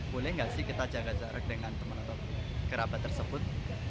boleh nggak sih kita jaga jarak dengan teman atau kerabat tersebut